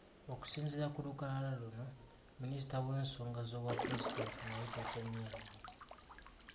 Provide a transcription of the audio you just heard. Okusinziira ku lukalala luno, Minisita w’ensonga z’Obwapulezidenti naye takommyewo.